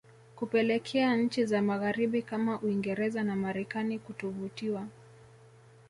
kupelekea nchi za magharibi kama Uingereza na Marekani kutovutiwa